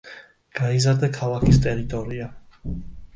გაიზარდა ქალაქის ტერიტორია.